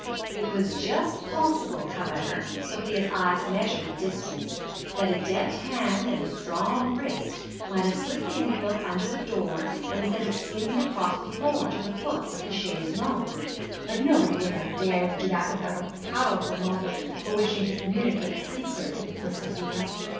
It was just possible, however—Sofia's eyes measured the distance—that a deft hand and a strong wrist might have slipped the envelope under the door and sent it skimming across the floor to the foot of the chaise longue. But nobody would have dared do that without a powerful motive for wishing to communicate secretly with Sofia.